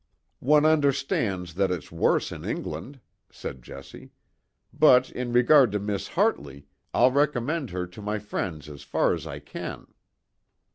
"One understands that it's worse in England," said Jessie. "But in regard to Miss Hartley, I'll recommend her to my friends as far as I can."